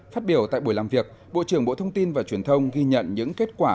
phát biểu tại buổi làm việc bộ trưởng bộ thông tin và truyền thông ghi nhận những kết quả